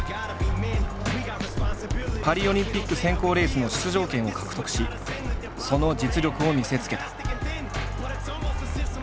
パリオリンピック選考レースの出場権を獲得しその実力を見せつけた。